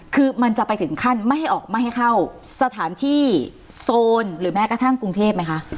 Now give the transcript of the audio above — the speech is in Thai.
คือมันจะไปถึงขั้นไม่ให้ออกไม่ให้เข้าสถานที่โซนหรือแม้กระทั่งกรุงเทพไหมคะ